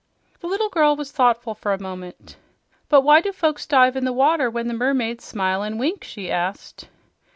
The little girl was thoughtful for a moment. "But why do folks dive in the water when the mermaids smile an' wink?" she asked.